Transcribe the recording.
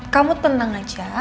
kamu tenang aja